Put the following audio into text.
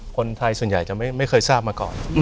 คนไทยส่วนใหญ่จะไม่เคยทราบมาก่อน